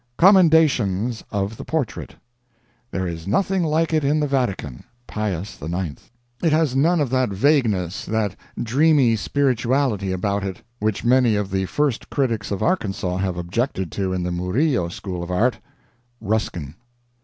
COMMENDATIONS OF THE PORTRAIT There is nothing like it in the Vatican. Pius IX. It has none of that vagueness, that dreamy spirituality about it, which many of the first critics of Arkansas have objected to in the Murillo school of Art. Ruskin.